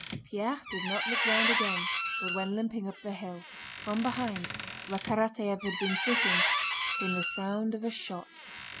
Pierre did not look round again but went limping up the hill. From behind, where Karatáev had been sitting, came the sound of a shot.